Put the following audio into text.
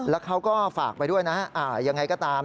แล้วเขาก็ฝากไปด้วยนะยังไงก็ตาม